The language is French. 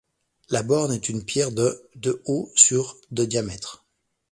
La borne est une pierre de de haut sur de diamètre.